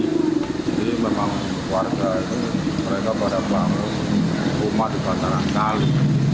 jadi memang warga mereka pada bangun rumah di pantaran kali